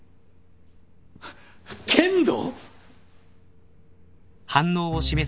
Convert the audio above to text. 剣道？